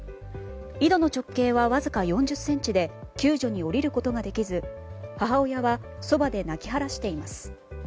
井戸の直径はわずか４０ｃｍで救助に下りることができず母親はそばで泣きはらしています。